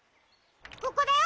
ここだよ！